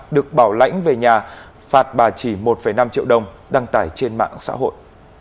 được bảo lãnh về nhà phạt bà chỉ một năm triệu đồng đăng tải trên mạng xã hội